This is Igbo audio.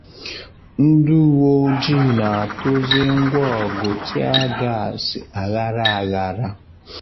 Ndị uwe ojii na-atụzị ngwa ọgụ tia gasị aghara aghara